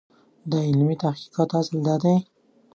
د علمي تحقیقاتو اصل دا دی.